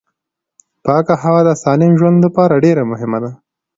پاکه هوا د سالم ژوند لپاره ډېره مهمه ده